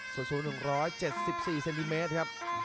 ส่วนสูง๑๗๔เซนติเมตรครับ